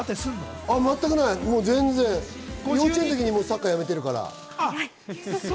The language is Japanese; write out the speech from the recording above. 全くぜんぜん、幼稚園の時にサッカーやめてるから。